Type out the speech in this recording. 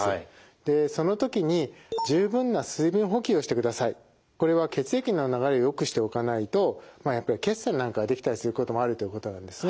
でその時にこれは血液の流れをよくしておかないとやっぱり血栓なんかが出来たりすることもあるということなんですね。